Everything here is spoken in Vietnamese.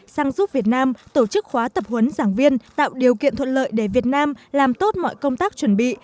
sang giúp việt nam tổ chức khóa tập huấn giảng viên tạo điều kiện thuận lợi để việt nam làm tốt mọi công tác chuẩn bị